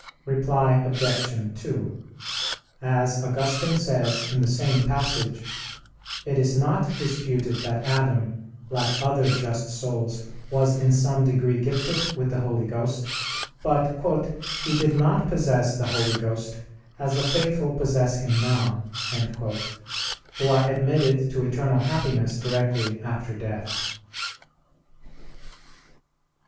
Reply Obj. 2: As Augustine says in the same passage, it is not disputed that Adam, like other just souls, was in some degree gifted with the Holy Ghost; but "he did not possess the Holy Ghost, as the faithful possess Him now," who are admitted to eternal happiness directly after death.